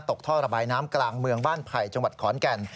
ท่อระบายน้ำกลางเมืองบ้านไผ่จังหวัดขอนแก่น